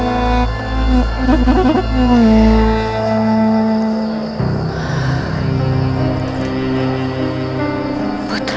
aku sudah selesai